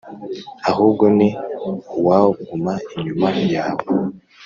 ahubwo ni uwaguma inyuma yawe .